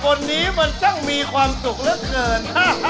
แม่วันนี้มันทั้งมีความสุขและเกิน